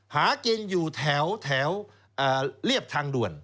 หากินอยู่แถวเรียบทางด่วน